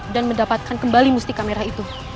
dan mendapatkan kembali mustika merah itu